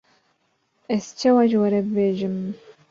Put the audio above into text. ez çawa ji we re bibêjim.